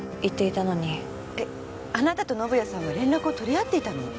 えっあなたと宣也さんは連絡を取り合っていたの？